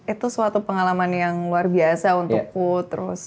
itu suatu pengalaman yang luar biasa untukku terus